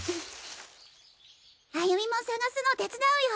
歩美も探すの手伝うよ！